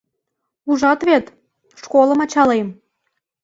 — Ужат вет, школым ачалем.